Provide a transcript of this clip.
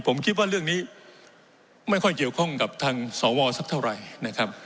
ผมคิดว่าเรื่องนี้ไม่ค่อยเกี่ยวข้องกับทางสวสักเท่าไหร่นะครับ